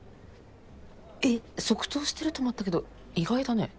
え即答してると思ったけど意外だね。